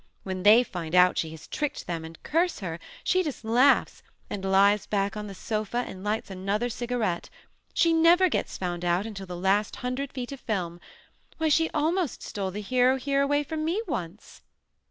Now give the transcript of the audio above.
When they find out she has tricked them and curse her she just laughs and lies back on the sofa and lights another cigarette. She never gets found out until the last hundred feet of film. Why, she almost stole the hero here away from me once."